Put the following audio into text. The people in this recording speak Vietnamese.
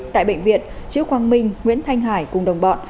tại bệnh viện triệu quang minh nguyễn thanh hải cùng đồng bọn